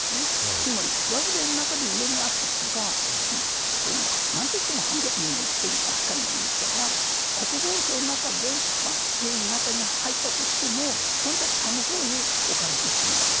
つまりワグネルの中で上にあった人が何と言っても反逆者という扱いですから国防省の中で兵士の中に入ったとしても下の方に置かれてしまう。